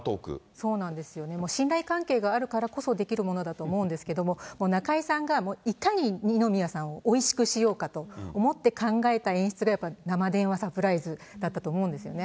そうなんですよ、信頼関係があるからこそできるものだと思うんですけども、中居さんがいかに二宮さんをおいしくしようかと思って、考えた演出が、やっぱり生電話サプライズだったと思うんですよね。